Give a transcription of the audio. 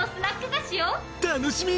楽しみ！